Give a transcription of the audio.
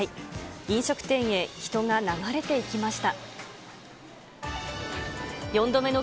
飲食店へ人が流れていきました。